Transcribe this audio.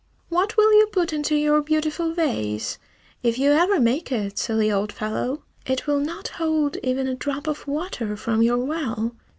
"What will you put into your beautiful vase, if you ever make it, silly old fellow? It will not hold even a drop of water from your well.